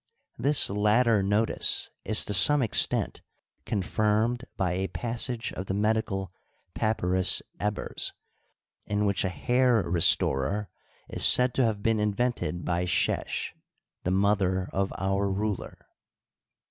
This latter notice is to some extent confirmed by a passage of the medical " Papyrus Ebers," in which a hair restorer is said to have been in vented by Sheshy the mother of our ruler.